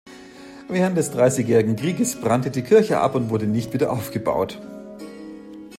Während des Dreißigjährigen Krieges brannte die Kirche ab und wurde nicht wieder aufgebaut.